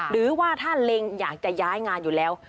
หรือว่าถ้าเล็งอยากจะย้ายงานอยู่แล้ว